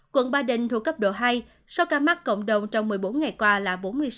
quận ba đình thuộc cấp độ hai sau ca mắc cộng đồng trong một mươi bốn ngày qua là một mươi bốn